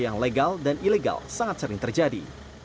yang legal dan ilegal sangat sering terjadi